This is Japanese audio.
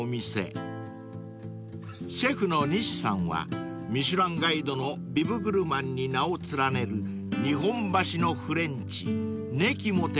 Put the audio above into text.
［シェフの西さんは『ミシュランガイド』のビブグルマンに名を連ねる日本橋のフレンチＮｅｋｉも手掛ける料理人］